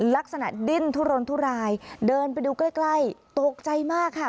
ลักษณะดิ้นทุรนทุรายเดินไปดูใกล้ใกล้ตกใจมากค่ะ